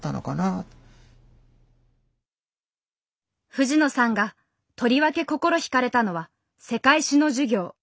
藤野さんがとりわけ心ひかれたのは世界史の授業。